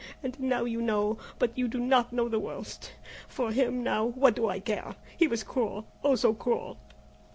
And now you know, but you do not know the worst. For him now what do I care? He was cruel oh, so cruel!"